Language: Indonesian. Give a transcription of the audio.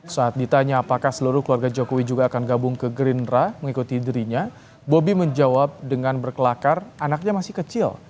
saat ditanya apakah seluruh keluarga jokowi juga akan gabung ke gerindra mengikuti dirinya bobi menjawab dengan berkelakar anaknya masih kecil